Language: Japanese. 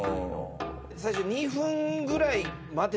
最初。